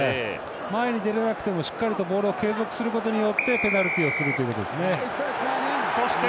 前に出れなくても、しっかりとモールを継続することによってペナルティをするということです。